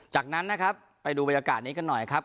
จากนั้นนะครับไปดูบรรยากาศนี้กันหน่อยครับ